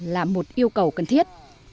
là một yêu cầu cần thiết